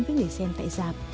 với người xem tại giảm